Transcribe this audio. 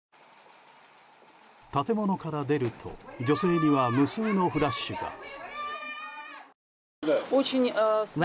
建物から出ると女性には無数のフラッシュが。